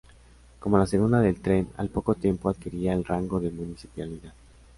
Con la llegada del tren, al poco tiempo adquiriría el rango de municipalidad.